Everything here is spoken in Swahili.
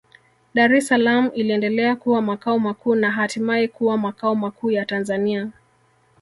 Dar es Salaam iliendelea kuwa makao makuu na hatimaye kuwa makao makuu ya Tanzania